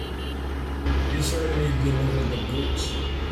You certainly delivered the goods.